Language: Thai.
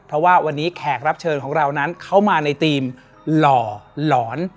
เพราะว่าวันนี้แขกรับเชิญของเรานั้นเข้ามาในทีมหล่อหลอน